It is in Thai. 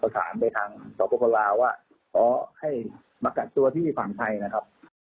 ประสานไปทางต่อประกอบราว่าขอให้มากัดตัวที่ฝั่งไทยนะครับ